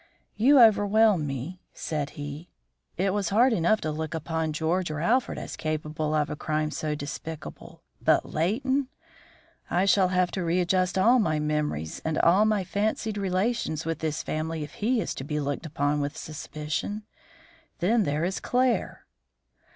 "You overwhelm me," said he. "It was hard enough to look upon George or Alfred as capable of a crime so despicable, but Leighton! I shall have to readjust all my memories and all my fancied relations with this family if he is to be looked upon with suspicion. Then there is Claire!"